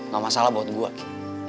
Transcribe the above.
gak masalah buat gue gitu